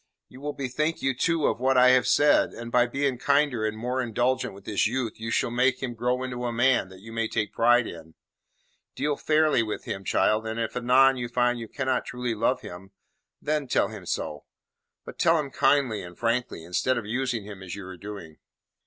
"You will bethink you too of what I have said, and by being kinder and more indulgent with this youth you shall make him grow into a man you may take pride in. Deal fairly with him, child, and if anon you find you cannot truly love him, then tell him so. But tell him kindly and frankly, instead of using him as you are doing."